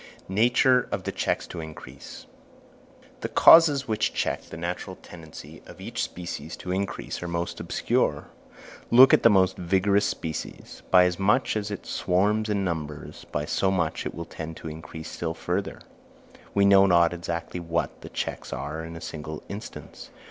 Nature of the Checks to Increase. The causes which check the natural tendency of each species to increase are most obscure. Look at the most vigorous species; by as much as it swarms in numbers, by so much will it tend to increase still further. We know not exactly what the checks are even in a single instance.